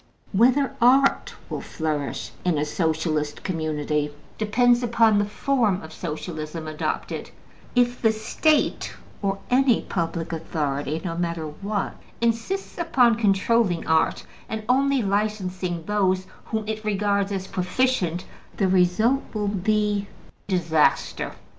Whether art will flourish in a Socialistic community depends upon the form of Social ism adopted; if the State, or any public authority, (no matter what), insists upon controlling art, and only licensing those whom it regards as proficient, the result will be disaster.